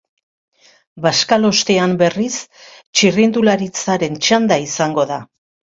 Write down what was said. Bazkalostean, berriz, txirrindularitzaren txanda izango da.